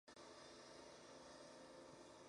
Masato Fujita